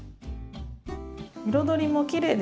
彩りもきれいですね。